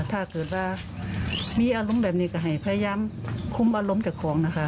ถ้าเกิดว่ามีอารมณ์แบบนี้ก็ให้พยายามคุ้มอารมณ์จากของนะคะ